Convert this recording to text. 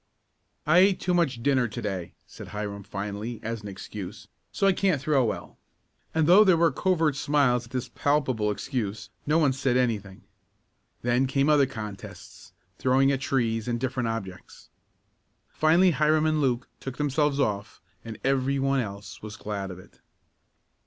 "I ate too much dinner to day," said Hiram finally, as an excuse, "so I can't throw well," and though there were covert smiles at this palpable excuse, no one said anything. Then came other contests, throwing at trees and different objects. Finally Hiram and Luke took themselves off, and everyone else was glad of it.